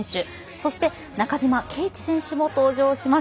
そして中島啓智選手も登場します。